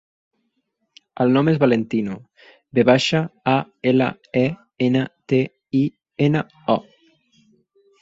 El nom és Valentino: ve baixa, a, ela, e, ena, te, i, ena, o.